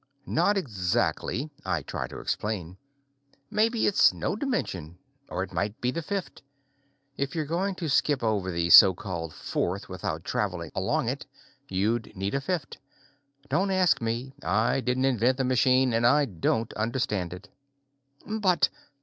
"Not exactly," I try to explain. "Maybe it's no dimension or it might be the fifth; if you're going to skip over the so called fourth without traveling along it, you'd need a fifth. Don't ask me. I didn't invent the machine and I don't understand it." "But...."